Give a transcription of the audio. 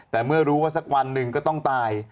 แต่เมื่อรู้ว่าสักวันหนึ่งก็ต้องตาย